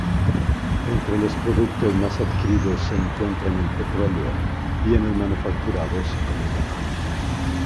Entre los productos más adquiridos se encuentran el petróleo, bienes manufacturados y comida.